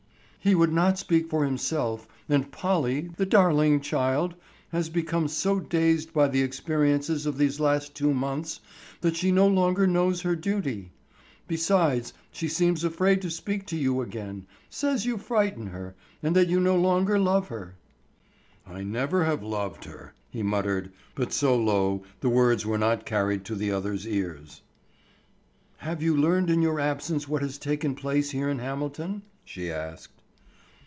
"He would not speak for himself, and Polly, the darling child, has become so dazed by the experiences of these last two months that she no longer knows her duty. Besides, she seems afraid to speak to you again; says that you frighten her, and that you no longer love her." "I never have loved her," he muttered, but so low the words were not carried to the other's ears. "Have you learned in your absence what has taken place here in Hamilton?" she asked.